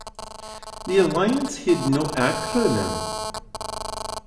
The alliance had no acronym.